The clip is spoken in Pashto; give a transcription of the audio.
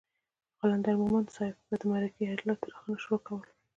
قلندر مومند صاحب به د مرکې اجلاس تر هغې نه شروع کولو